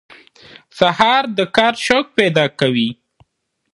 سهار د کار شوق پیدا کوي.